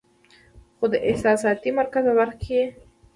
خو د احساساتي مرکز پۀ برخه کې ئې